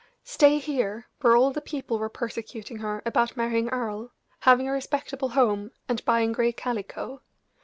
Stay here, where all the people were persecuting her about marrying Earle, having a respectable home, and buying gray calico!